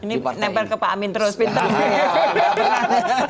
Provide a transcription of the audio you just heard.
ini nembar ke pak amin terus pinter